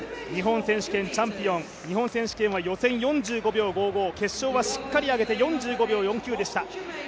日本選手権チャンピオン、予選は４５秒４４、決勝はしっかり上げて４５秒４９でした。